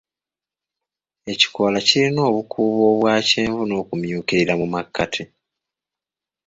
Ekikoola kirina obukuubo obwa kyenvu n'okumyukirira mu makkati.